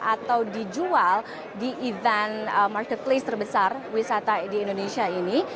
atau dijual di event marketplace terbesar wisata di indonesia ini